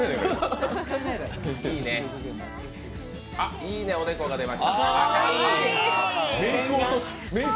いいね、おでこが出ました。